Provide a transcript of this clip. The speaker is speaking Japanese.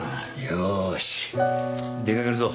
よーし出かけるぞ。